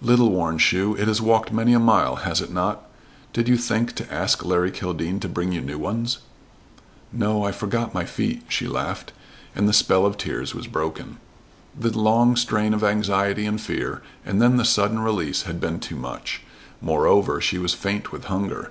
"Little worn shoe! It has walked many a mile, has it not? Did you think to ask Larry Kildene to bring you new ones?" "No, I forgot my feet." She laughed, and the spell of tears was broken. The long strain of anxiety and fear and then the sudden release had been too much. Moreover, she was faint with hunger.